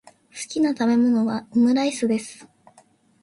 好きな食べ物はオムライスです。